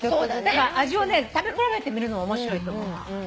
だから味をね食べ比べてみるのも面白いと思う。